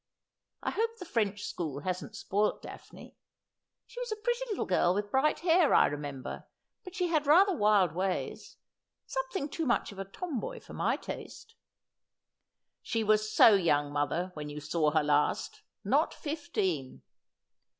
I hope the French school hasn't spoilt Daphne. She was a pretty little girl with bright hair, I remem ber, but she had rather wild ways. Something too much of a tomboy for my taste.' ' She was so young, mother, when you saw her last, not fifteen.'